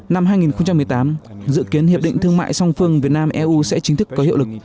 năm hai nghìn một mươi tám dự kiến hiệp định thương mại song phương việt nam eu sẽ chính thức có hiệu lực